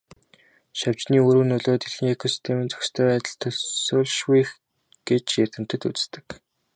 Шавжны үүрэг нөлөө дэлхийн экосистемийн зохистой байдалд төсөөлшгүй их гэж эрдэмтэд үздэг.